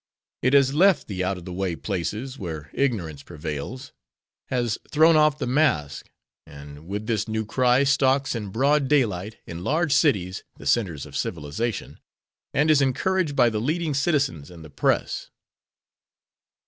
It has left the out of the way places where ignorance prevails, has thrown off the mask and with this new cry stalks in broad daylight in large cities, the centers of civilization, and is encouraged by the "leading citizens" and the press.